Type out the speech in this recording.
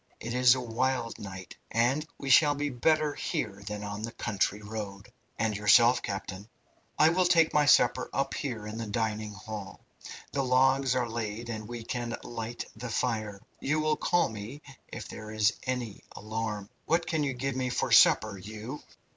It is a wild night, and we shall be better here than on the country road." "And yourself, captain?" "I will take my supper up here in the dining hall. The logs are laid and we can light the fire. You will call me if there is any alarm. What can you give me for supper you?"